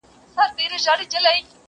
هر یوه خپل په وار راوړي بربادې وې دلته؛